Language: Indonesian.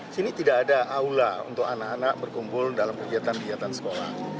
sini tidak ada aula untuk anak anak berkumpul dalam kegiatan kegiatan sekolah